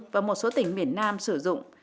và một số tỉnh miền nam sử dụng